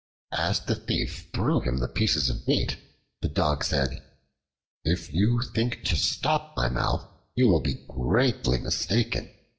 As the Thief threw him the pieces of meat, the Dog said, "If you think to stop my mouth, you will be greatly mistaken.